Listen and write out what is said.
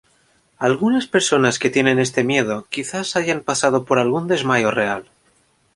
Algunas personas que tienen este miedo, quizás hayan pasado por algún desmayo real.